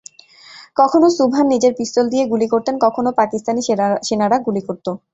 কখনো সুবহান নিজের পিস্তল দিয়ে গুলি করতেন, কখনো পাকিস্তানি সেনারা গুলি করত।